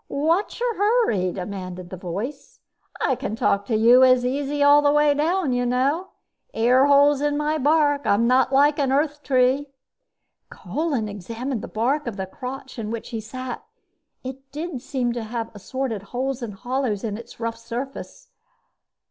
"What's your hurry?" demanded the voice. "I can talk to you just as easy all the way down, you know. Airholes in my bark I'm not like an Earth tree." Kolin examined the bark of the crotch in which he sat. It did seem to have assorted holes and hollows in its rough surface.